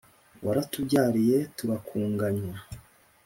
waratubyariye turakunganywa.